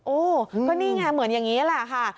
โอ้ก็นี่ไงเหมือนอย่างนี้แหละค่ะ